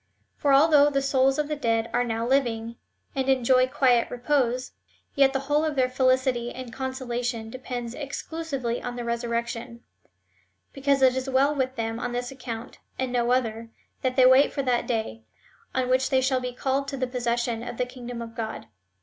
^ For although the souls of the dead are now living, and enjoy quiet repose, yet the whole of their felicity and consolation depends exclusively on the resurrection ; because it is Avell with them on this account, and no other, that they wait for that day, on which they shall be called to the possession of the kingdom of God.